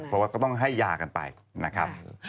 เพราะว่าก็ต้องให้ยากันไปนะครับ